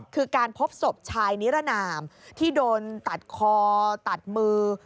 คือการพบศพชายนิรนามที่โดนตัดคอตัดมือ